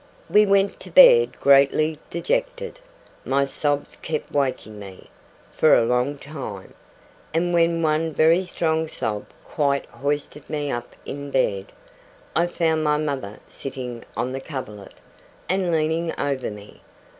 We went to bed greatly dejected. My sobs kept waking me, for a long time; and when one very strong sob quite hoisted me up in bed, I found my mother sitting on the coverlet, and leaning over me.